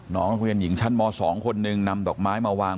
น้องนักเรียนหญิงชั้นม๒คนหนึ่งนำดอกไม้มาวาง